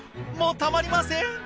もうたまりません！